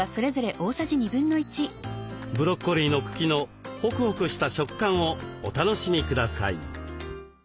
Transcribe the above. ブロッコリーの茎のホクホクした食感をお楽しみください。